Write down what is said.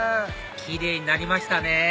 キレイになりましたね